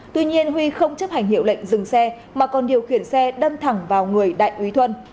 tuy nhiên huy không chấp hành hiệu lệnh dừng xe mà còn điều khiển xe đâm thẳng vào người đại úy thuân